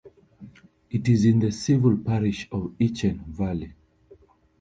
It is in the civil parish of Itchen Valley.